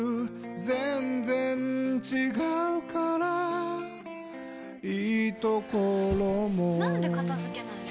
全然違うからいいところもなんで片付けないの？